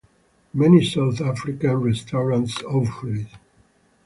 Many South African restaurants offer it.